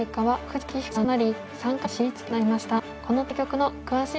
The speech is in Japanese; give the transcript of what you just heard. はい。